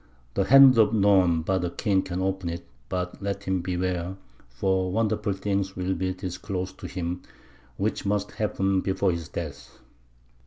The hand of none but a king can open it; but let him beware, for wonderful things will be disclosed to him, which must happen before his death."